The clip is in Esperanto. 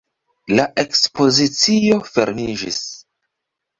La ekspozicio fermiĝis.